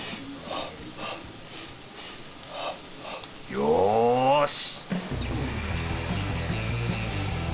よし